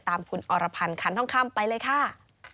ตามคุณอรพันธ์ขันทองคำไปเลยค่ะ